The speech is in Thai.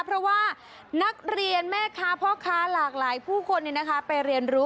เพราะว่านักเรียนแม่ค้าพ่อค้าหลากหลายผู้คนไปเรียนรู้